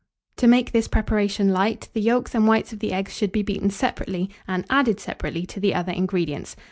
To make this preparation light, the yolks and whites of the eggs should be beaten separately, and added separately to the other ingredients.